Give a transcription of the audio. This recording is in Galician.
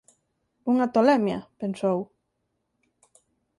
Unha tolemia?, pensou.